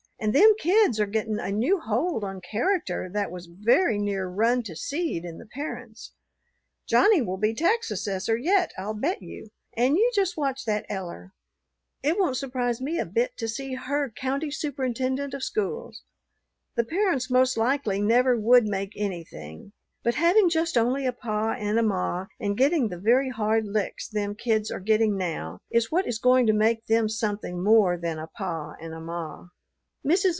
And them kids are getting a new hold on character that was very near run to seed in the parents. Johnny will be tax assessor yet, I'll bet you, and you just watch that Eller. It won't surprise me a bit to see her county superintendent of schools. The parents most likely never would make anything; but having just only a pa and a ma and getting the very hard licks them kids are getting now, is what is going to make them something more than a pa and a ma."